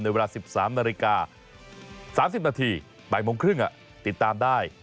ในเวลา๑๓นาฬิกา๓๐นาทีติดตามได้